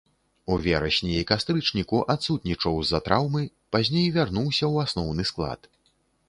У верасні і кастрычніку адсутнічаў з-за траўмы, пазней вярнуўся ў асноўны склад.